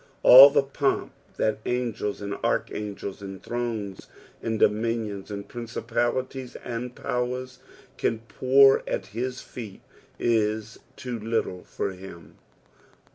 All the pomp that angels and archangels, and thrones, and dominions, and principalities, and powers can pour at his feet is too little for him.